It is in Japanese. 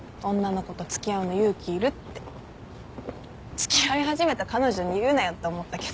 付き合い始めた彼女に言うなよって思ったけど。